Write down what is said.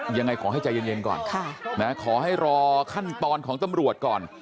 ยังไงขอให้ใจเย็นก่อนขอให้รอขั้นตอนของตำรวจก่อน